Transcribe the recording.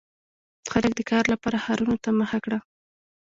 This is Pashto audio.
• خلک د کار لپاره ښارونو ته مخه کړه.